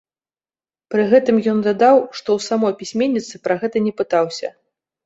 Пры гэтым ён дадаў, што ў самой пісьменніцы пра гэта не пытаўся.